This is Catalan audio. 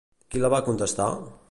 Qui li va contestar?